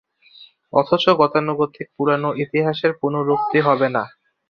অথচ গতানুগতিক পুরোনো ইতিহাসের পুনরুক্তি হবে না।